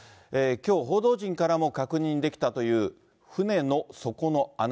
きょう、報道陣からも確認できたという、船の底の穴。